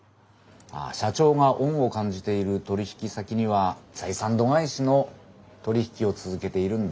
まあ社長が恩を感じている取引先には採算度外視の取り引きを続けているんですね。